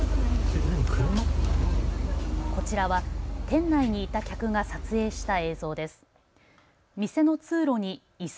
こちらは店内にいた客が撮影した映像です。